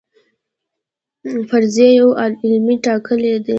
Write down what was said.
فرضیه یو علمي اټکل دی